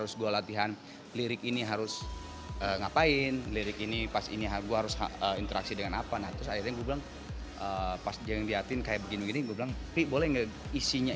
empat puluh musisi muda sebagai cameonya